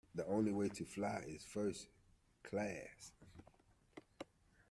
The only way too fly is first class